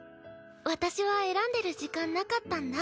私は選んでる時間なかったんだ。